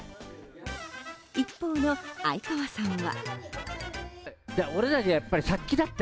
一方の哀川さんは。